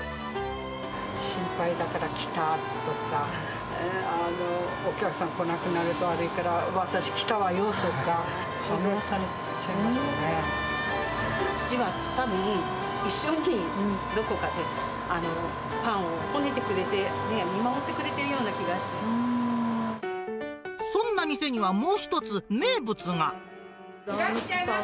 心配だから来たとか、お客さん来なくなると悪いから、私、来たわよとか、励まされちゃ父が、たぶん、一緒にどこかでパンをこねてくれて、見守ってくれてるような気がそんな店にはもう一つ、いらっしゃいませ。